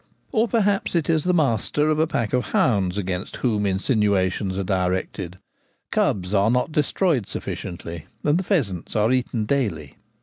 Or perhaps it is the master of a pack of hounds against whom insinuations are directed: cubs are not destroyed sufficiently, and the pheasants are eaten daily.